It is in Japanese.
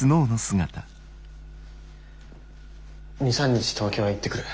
２３日東京へ行ってくる。